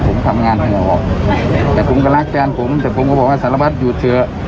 ผมทำงานทางออกแต่ผมก็รักแฟนผมแต่ผมก็บอกว่าสารวัตรหยุดเถอะ